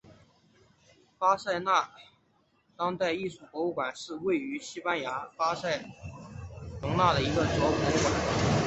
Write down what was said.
巴塞隆纳当代艺术博物馆是位于西班牙巴塞隆纳的一座博物馆。